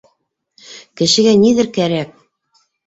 Кешегә ниҙер кәрәк.